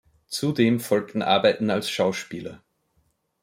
Zudem folgten Arbeiten als Schauspieler.